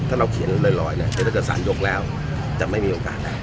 ถ้าเราเขียนลอยเนี่ยถ้าเกิดสารยกแล้วจะไม่มีโอกาสได้